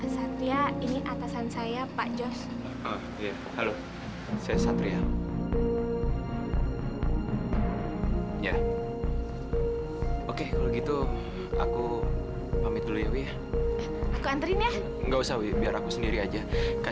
sampai jumpa di video selanjutnya